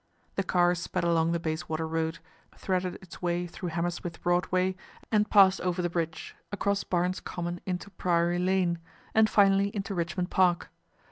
The car sped along the Bayswater Road, threaded its way through Hammersmith Broad way and passed over the bridge, across Barnes Common into Priory Lane, and finally into Rich mond Park.